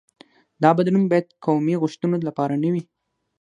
دا بدلون باید قومي غوښتنو لپاره نه وي.